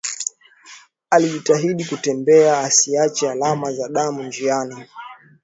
Alijitahidi kutembea asiache alama za damu njiani